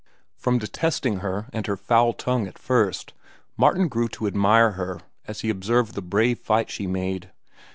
From detesting her and her foul tongue at first, Martin grew to admire her as he observed the brave fight she made.